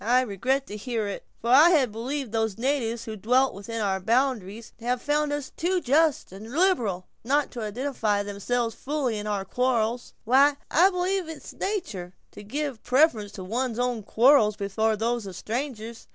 "I regret to hear it; for I had believed those natives who dwelt within our boundaries had found us too just and liberal, not to identify themselves fully with our quarrels." "Why, I believe it is natur' to give a preference to one's own quarrels before those of strangers.